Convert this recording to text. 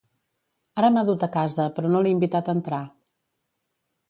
Ara m'ha dut a casa, però no l'he invitat a entrar.